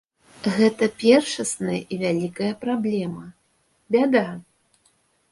Гэта першасная і вялікая праблема, бяда.